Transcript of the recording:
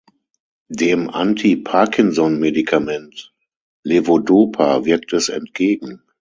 Dem Anti-Parkinsonmedikament Levodopa wirkt es entgegen.